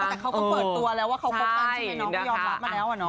แต่เขาก็เปิดตัวแล้วว่าเขาคบกันใช่ไหมน้องก็ยอมรับมาแล้ว